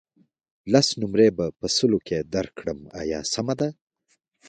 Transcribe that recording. لس نمرې به په سلو کې درکړم آیا سمه ده.